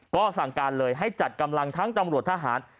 ก็สั่งการเลยให้จัดกำลังทั้งตำรวจทหาร